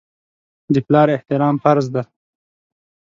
د پلار احترام فرض دی.